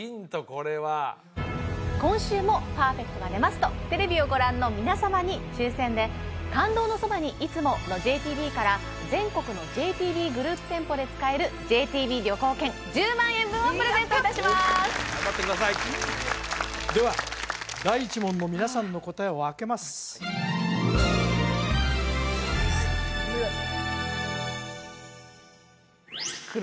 これは今週もパーフェクトが出ますとテレビをご覧の皆様に抽選で「感動のそばに、いつも。」のＪＴＢから全国のＪＴＢグループ店舗で使えるＪＴＢ旅行券１０万円分をプレゼントいたします頑張ってくださいでは第１問の皆さんの答えをあけますお願い！